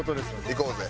行こうぜ。